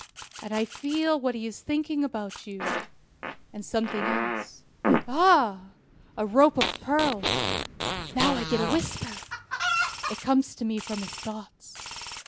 And I feel what he is thinking about: you and something else. Ah, a rope of pearls! Now I get a whisper! It comes to me from his thoughts.